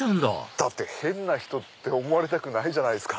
だって変な人って思われたくないじゃないっすか。